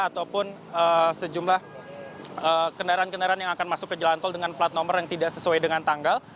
ataupun sejumlah kendaraan kendaraan yang akan masuk ke jalan tol dengan plat nomor yang tidak sesuai dengan tanggal